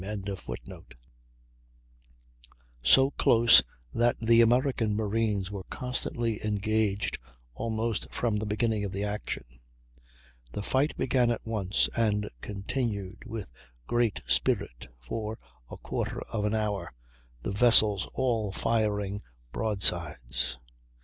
] so close that the American marines were constantly engaged almost from the beginning of the action. The fight began at once, and continued with great spirit for a quarter of an hour, the vessels all firing broadsides.